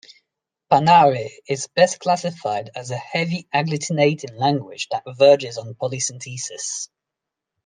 Panare is best classified as a heavy-agglutinating language that verges on polysynthesis.